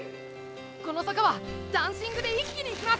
この坂はダンシングで一気にいきます！